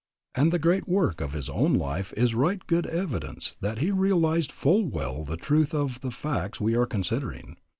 And the great work of his own life is right good evidence that he realized full well the truth of the facts we are considering.